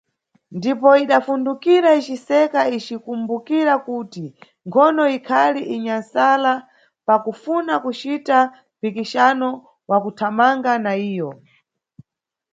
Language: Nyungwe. Ndipo idafundukira iciseka, icikumbukira kuti nkhono ikhali inyamsala pa kufuna kucita mpikixano wa kuthamanga na iyo.